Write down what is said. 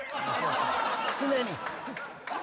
常に。